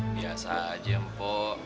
biasa aja mpo